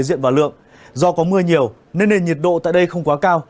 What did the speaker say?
do có mưa nhiều nên nền nhiệt độ tại đây không quá cao